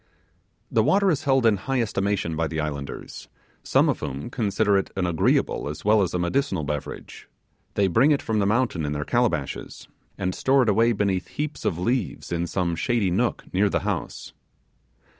The water is held in high estimation by the islanders, some of whom consider it an agreeable as well as a medicinal beverage; they bring it from the mountain in their calabashes, and store it away beneath heaps of leaves in some shady nook near the house.